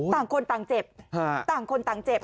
ต่างคนต่างเจ็บต่างคนต่างเจ็บ